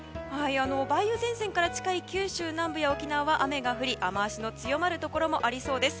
梅雨前線から近い九州南部や沖縄は雨が降り、雨脚の強まるところもありそうです。